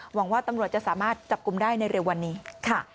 หวังว่าตำรวจจะสามารถจับกลุ่มได้ในเร็ววันนี้ค่ะ